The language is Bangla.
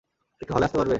একটু হলে আসতে পারবে?